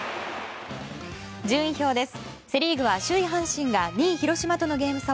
順位表です。